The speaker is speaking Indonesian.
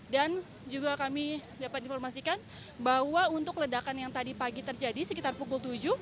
dan juga kami dapat informasikan bahwa untuk ledakan yang tadi pagi terjadi sekitar pukul tujuh